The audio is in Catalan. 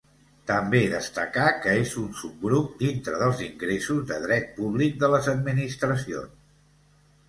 També destacar que és un subgrup dintre dels ingressos de dret públic de les administracions.